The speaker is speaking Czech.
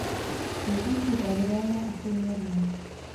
Květy jsou pravidelné až souměrné.